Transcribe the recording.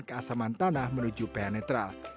keasaman tanah menuju ph netral